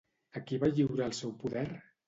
A qui va lliurar el seu poder?